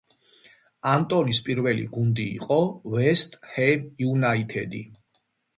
ანტონის პირველი გუნდი იყო „ვესტ ჰემ იუნაიტედი“.